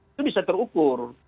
itu bisa terukur